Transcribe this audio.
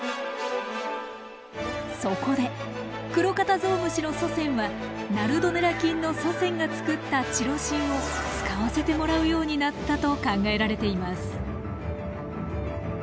そこでクロカタゾウムシの祖先はナルドネラ菌の祖先が作ったチロシンを使わせてもらうようになったと考えられています。